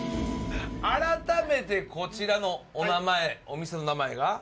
改めてこちらのお名前お店の名前が。